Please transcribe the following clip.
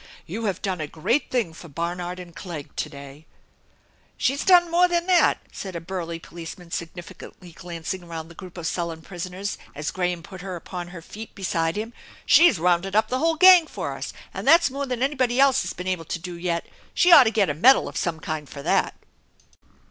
" You have done a great thing for Barnard and Clegg to day !"" She's done more than that !" said a burly policeman significantly glancing around the group of sullen prisoners, as Graham put her upon her feet beside him. " She's rounded up the whole gang for us, and that's more than anybody else has been able to do yet ! She oughtta get a medal of some kind fer that!"